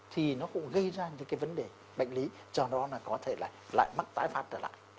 thì nó cũng gây ra những cái vấn đề bệnh lý cho nó có thể là lại mắc tái phát trở lại